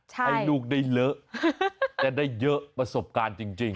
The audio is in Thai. ให้ลูกได้เลอะจะได้เยอะประสบการณ์จริง